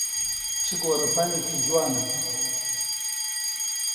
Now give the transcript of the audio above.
چ گۆڕەپانێکی جوانە!